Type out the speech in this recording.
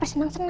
berapa hari ini